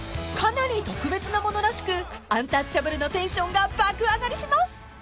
［かなり特別なものらしくアンタッチャブルのテンションが爆上がりします］